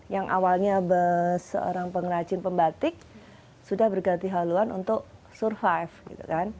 yang awalnya seorang pengenajin pembatik sudah berganti haluan untuk survive